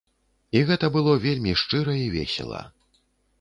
І гэта было вельмі шчыра і весела.